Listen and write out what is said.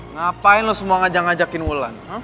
ngapain lu semua ngajakin ulan